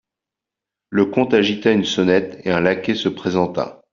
Le comte agita une sonnette et un laquais se présenta.